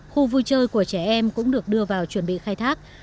khu vui chơi của trẻ em cũng được đưa vào chuẩn bị khai thác